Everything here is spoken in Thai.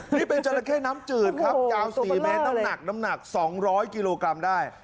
นี่เป็นจราเข้น้ำจืดครับยาว๔เมตรน้ำหนักน้ำหนัก๒๐๐กิโลกรัมได้